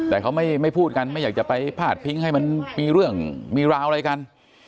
แต่เขาไม่พูดกันไม่อยากจะไปพาดพิงให้มันมีเรื่องมีราวอะไรกัน